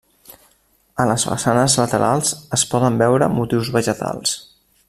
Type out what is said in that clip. A les façanes laterals es poden veure motius vegetals.